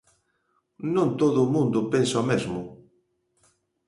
Non todo o mundo pensa o mesmo.